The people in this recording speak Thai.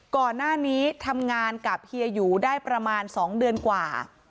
ก่อนหน้านี้ทำงานกับเฮียหยูได้ประมาณ๒เดือนกว่า